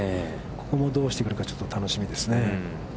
ここもどうしてくるか、楽しみですね。